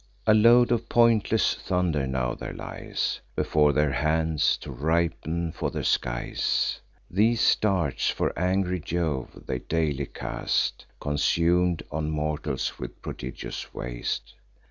A load of pointless thunder now there lies Before their hands, to ripen for the skies: These darts, for angry Jove, they daily cast; Consum'd on mortals with prodigious waste.